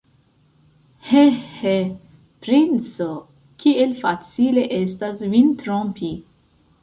He, he, princo, kiel facile estas vin trompi!